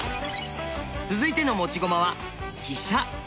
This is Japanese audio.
続いての持ち駒は「飛車」！